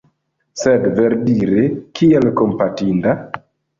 Sed, verdire, kial kompatinda?